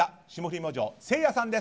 明星せいやさんです。